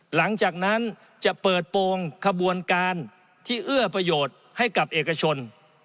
หลังจากนั้นจะเปิดโปรงขบวนการที่เอื้อประโยชน์ให้กับเอกชน